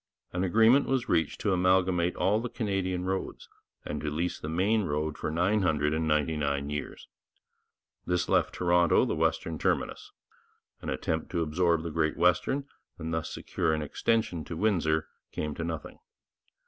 An agreement was reached to amalgamate all the Canadian roads and to lease the Maine road for 999 years. This left Toronto the western terminus. An attempt to absorb the Great Western and thus secure an extension to Windsor came to nothing.